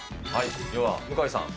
では、向井さん。